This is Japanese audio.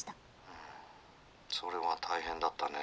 「うんそれは大変だったね。